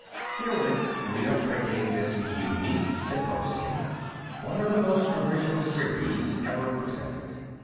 Herewith we are printing this unique symposium, one of the most original series ever presented.